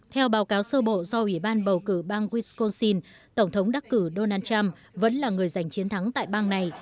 theo báo cáo sơ bộ do ủy ban bầu cử bang wisconsin tổng thống đắc cử donald trump vẫn là người giành chiến thắng tại bang này